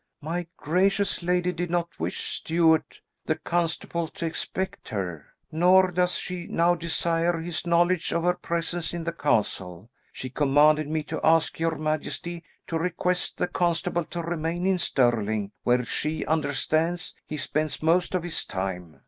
"My gracious lady did not wish Stuart the constable to expect her, nor does she now desire his knowledge of her presence in the castle. She commanded me to ask your majesty to request the constable to remain in Stirling, where, she understands, he spends most of his time.